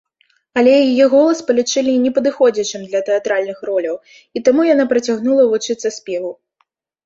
Але яе голас палічылі непадыходзячым для тэатральных роляў, і таму яна працягнула вучыцца спеву.